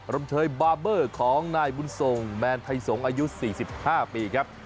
รมเชยบาร์เบอร์ของนายบุญส่งแมนไทยสงศ์อายุ๔๕ปีครับ